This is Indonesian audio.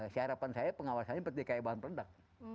seharapan saya pengawasannya seperti bahan pendak